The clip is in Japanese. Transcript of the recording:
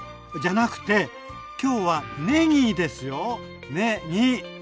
じゃなくて今日はねぎですよねぎ！